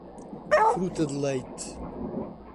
Fruta de Leite